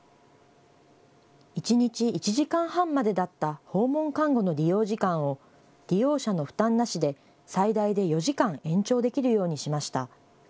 一日１時間半までだった訪問看護の利用時間を利用者の負担なしで最大で４時間、延長できるようにしました。